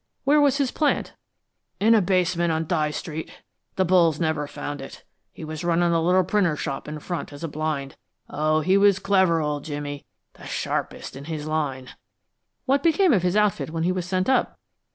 "Where was his plant?" "In a basement on Dye Street. The bulls never found it. He was running a little printer's shop in front, as a blind oh, he was clever, old Jimmy, the sharpest in his line!" "What became of his outfit, when he was sent up?"